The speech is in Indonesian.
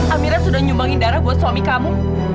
amira sudah nyumbangin darah buat suami kamu